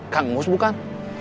kang mus bukan